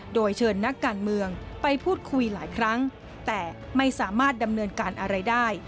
โดยเชิญนักการเมืองไปพูดคุยหลายครั้งแต่ไม่สามารถดำเนินการอะไรได้